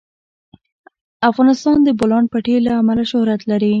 افغانستان د د بولان پټي له امله شهرت لري.